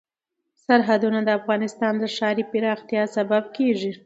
سرحدونه د افغانستان د ښاري پراختیا سبب کېږي.